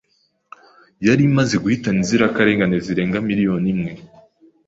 yari imaze guhitana inzirakarengane zirenga miliyoni imwe